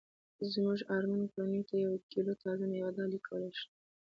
زمونږ اړمنو کورنیوو ته یوه کیلو تازه میوه ډالۍ کولای شي